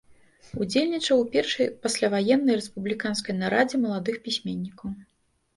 Удзельнічаў у першай пасляваеннай рэспубліканскай нарадзе маладых пісьменнікаў.